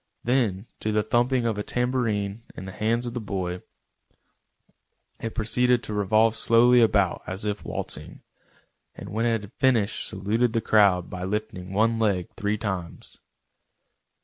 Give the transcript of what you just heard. Then to the thumping of a tambourine in the hands of the boy, it proceeded to revolve slowly about as if waltzing, and when it had finished saluted the crowd by lifting one leg three times.